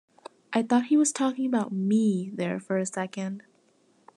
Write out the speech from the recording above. I thought he was talking about "me" there for a second.